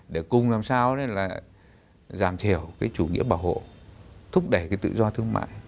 để cùng làm sao là giảm thiểu cái chủ nghĩa bảo hộ thúc đẩy cái tự do thương mại